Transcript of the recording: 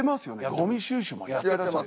ゴミ収集もやってらっしゃる。